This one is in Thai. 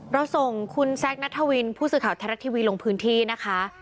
เราส่งคุณแซคนัทวินผู้สื่อข่าวไทยรัฐทีวีลงพื้นที่นะคะ